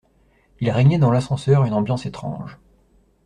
Il régnait dans l’ascenseur une ambiance étrange